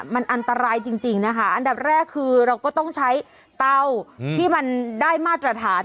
มันอันตรายจริงนะคะอันดับแรกคือเราก็ต้องใช้เตาที่มันได้มาตรฐาน